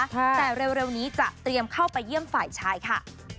แต่เร็วนี้จะเตรียมเข้าไปเยี่ยมฝ่ายชายค่ะ